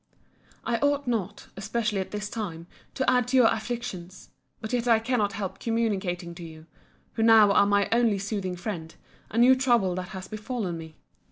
I ought not, especially at this time, to add to your afflictions—but yet I cannot help communicating to you (who now are my only soothing friend) a new trouble that has befallen me.